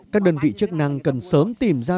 các đơn vị chức năng cần sớm tìm ra